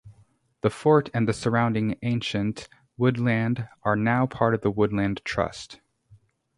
The fort and the surrounding ancient woodland are now part of the Woodland Trust.